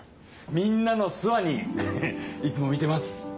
みんなのスワニーいつも見てます。